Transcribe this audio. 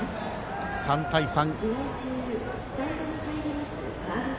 ３対３。